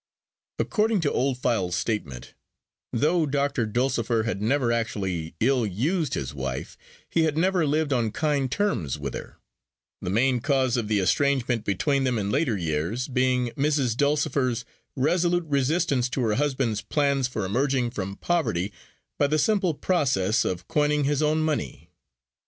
According to Old File's statement, though Doctor Dulcifer had never actually ill used his wife, he had never lived on kind terms with her: the main cause of the estrangement between them, in later years, being Mrs. Dulcifer's resolute resistance to her husband's plans for emerging from poverty, by the simple process of coining his own money.